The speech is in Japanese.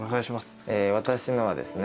私のはですね